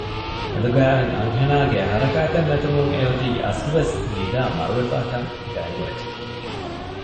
އެނދުގައި އޮތް އަންހެނާގެ ހަރަކާތެއް ނެތުމުން އެއޮތީ އަސްލުވެސް ނިދައި މަރުވެފައިކަން ގައިމުވެއްޖެ